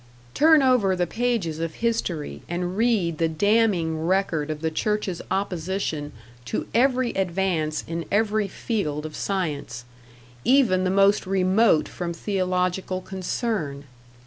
Turn over the pages of history and read the damning record of the church's opposition to every advance in every field of science, even the most remote from theological concern.